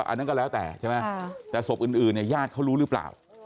อันนั้นก็แล้วแต่ใช่ไหมแต่ศพอื่นเนี่ยญาติเขารู้หรือเปล่า